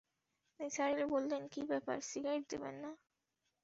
নিসার আলি বললেন, কী ব্যাপার, সিগারেট দেবেন না?